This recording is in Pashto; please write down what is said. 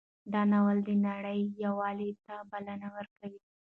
دا ناول د نړۍ یووالي ته بلنه ورکوي.